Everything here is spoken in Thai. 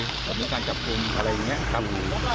หลบในการจับคุมอะไรอย่างนี้คำถูก